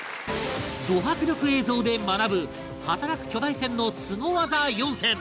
ド迫力映像で学ぶ働く巨大船のスゴ技４選